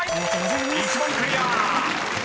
１問クリア！］